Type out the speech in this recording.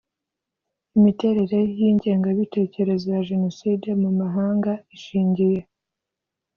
Imiterere y ingengabitekerezo ya Jenoside mu mahanga ishingiye